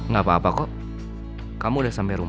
gak apa apa kok kamu udah sampai rumah